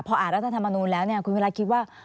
พออ่านรัฐธรรมนูลแล้วคุณวิรัติคิดว่า